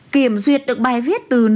kiểm duyệt được bài viết từ nội dung